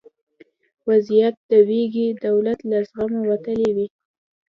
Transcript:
وضعیت د ویګي دولت له زغمه وتلی و.